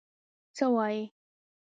څه وايې؟